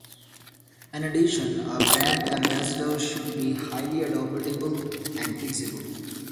In addition, a brand ambassador should be highly adaptable and flexible.